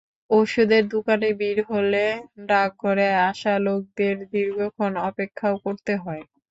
ওষুধের দোকানে ভিড় হলে ডাকঘরে আসা লোকদের দীর্ঘক্ষণ অপেক্ষাও করতে হয়।